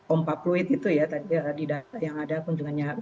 ompa pluit gitu ya tadi di daerah yang ada kunjungannya